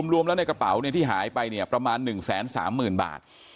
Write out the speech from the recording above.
รวมแล้วในกระเป๋าที่หายไปเนี่ยประมาณ๑๓๐๐๐บาท